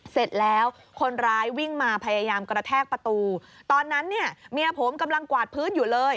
เสร็จแล้วคนร้ายวิ่งมาพยายามกระแทกประตูตอนนั้นเนี่ยเมียผมกำลังกวาดพื้นอยู่เลย